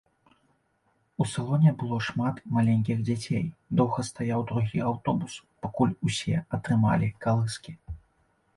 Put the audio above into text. У салоне было шмат маленькіх дзяцей, доўга стаяў другі аўтобус, пакуль усе атрымалі калыскі.